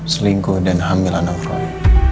selingkuh dan hamil anak